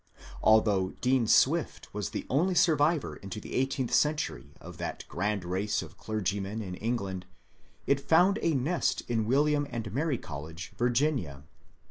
Although Dean Swift was the only survivor into the eigh teenth century of that grand race of clergymen in England, it found a nest in William and Mary College, Virginia.